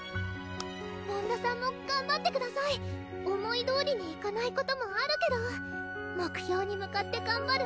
紋田さんもがんばってください思いどおりにいかないこともあるけど目標に向かってがんばる